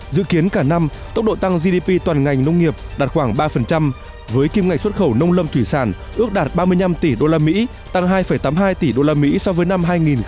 dự kiến cả năm tốc độ tăng gdp toàn ngành nông nghiệp đạt khoảng ba với kim ngạch xuất khẩu nông lâm thủy sản ước đạt ba mươi năm tỷ usd tăng hai tám mươi hai tỷ usd so với năm hai nghìn một mươi bảy